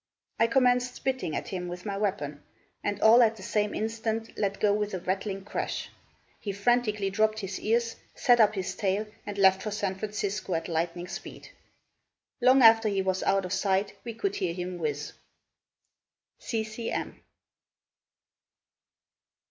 I commenced spitting at him with my weapon, and all at the same instant let go with a rattling crash. He frantically dropped his ears, set up his tail, and left for San Francisco at lightning speed. Long after he was out of sight we could hear him whiz." C. C. M.